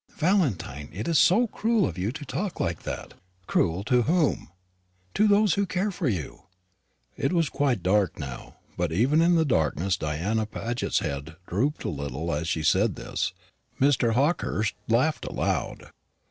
"Valentine, it is so cruel of you to talk like that." "Cruel to whom?" "To those who care for you." It was quite dark now; but even in the darkness Diana Paget's head drooped a little as she said this. Mr. Hawkehurst laughed aloud.